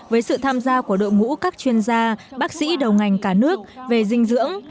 với sự tham gia của đội ngũ các chuyên gia bác sĩ đầu ngành cả nước về dinh dưỡng